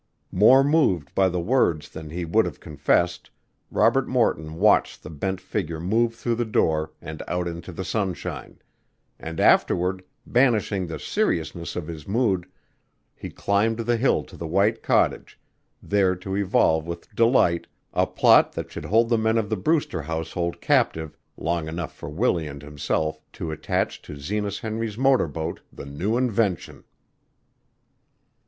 More moved by the words than he would have confessed, Robert Morton watched the bent figure move through the door and out into the sunshine; and afterward, banishing the seriousness of his mood, he climbed the hill to the white cottage, there to evolve with Delight a plot that should hold the men of the Brewster household captive long enough for Willie and himself to attach to Zenas Henry's motor boat the new invention.